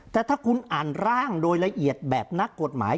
แต่ถ้าคุณอ่านร่างโดยละเอียดแบบนักกฎหมาย